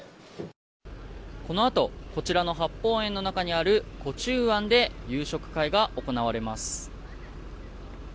このあとこちらの八芳園の中にある壺中庵で夕食会が行われます。